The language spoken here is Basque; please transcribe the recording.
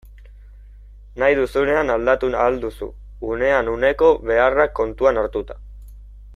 Nahi duzunean aldatu ahal duzu, unean uneko beharrak kontuan hartuta.